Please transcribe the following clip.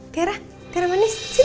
tiara tiara manis sini